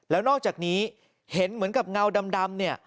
แล้วนอกจากนี้เห็นเหมือนกับเงาดำเนี่ย